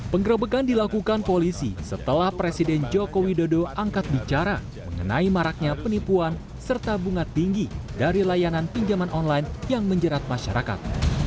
penggerebekan dilakukan polisi setelah presiden joko widodo angkat bicara mengenai maraknya penipuan serta bunga tinggi dari layanan pinjaman online yang menjerat masyarakat